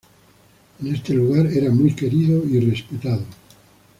En este lugar, era muy querido y respetado.